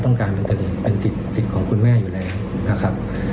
ต้องการเป็นสิทธิ์ของคุณแม่อยู่แล้วนะครับ